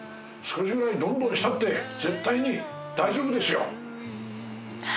少しぐらいドンドンしたって絶対に大丈夫ですよ。